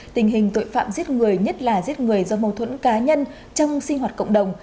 tình hình tội phạm giết người nhất là giết người do mâu thuẫn cá nhân trong sinh hoạt cộng đồng